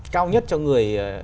cao nhất cho người